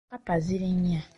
Kkapa ziri nnya .